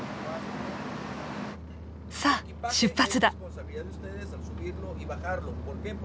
さあ出発だ！